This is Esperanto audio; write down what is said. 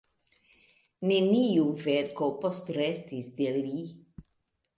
Neniu verko postrestis de li.